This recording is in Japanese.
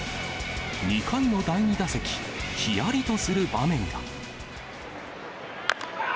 ２回の第２打席、ひやりとする場面が。